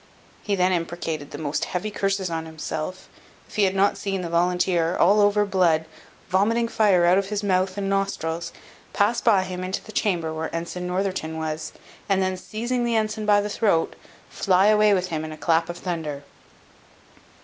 He then imprecated the most heavy curses on himself, if he had not seen the volunteer, all over blood, vomiting fire out of his mouth and nostrils, pass by him into the chamber where Ensign Northerton was, and then seizing the ensign by the throat, fly away with him in a clap of thunder.